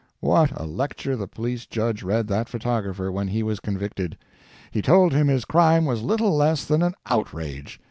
What a lecture the police judge read that photographer when he was convicted! He told him his crime was little less than an outrage.